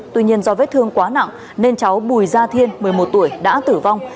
tuy nhiên do vết thương quá nặng nên cháu bùi gia thiên một mươi một tuổi đã tử vong